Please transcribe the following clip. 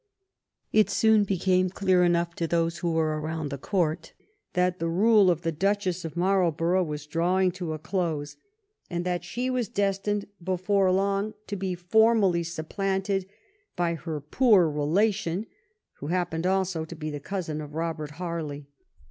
It soon became clear enough to those who were around the court that the rule of the Duchess of Marlborough was drawing to a close, and that she was destined before long to be formally supplanted by her poor relation who happened also to be the cousin of Robert Harley.